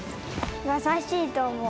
やさしいと思う。